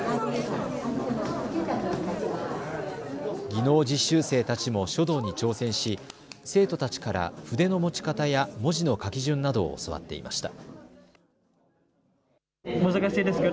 技能実習生たちも書道に挑戦し生徒たちから筆の持ち方や文字の書き順などを教わっていました。